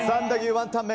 ワンタン麺